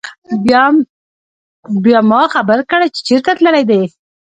بيا ما خبر کړه چې چرته تلل دي